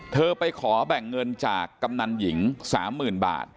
ไปขอแบ่งเงินจากกำนันหญิง๓๐๐๐บาท